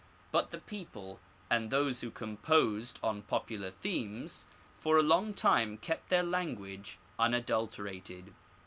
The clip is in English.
But the people, and those who composed on popular themes, for a long time kept their language unadulterated.